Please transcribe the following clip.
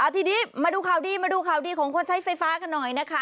ทีนี้มาดูข่าวดีของคนใช้ไฟฟ้ากันหน่อยนะคะ